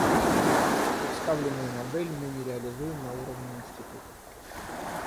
Представительную модель мы реализуем на уровне институтов.